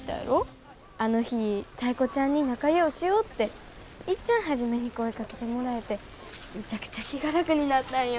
あの日タイ子ちゃんに仲ようしようっていっちゃん初めに声かけてもらえてむちゃくちゃ気が楽になったんよ。